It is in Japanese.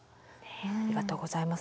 ありがとうございます。